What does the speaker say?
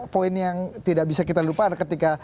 poin yang tidak bisa kita lupa ketika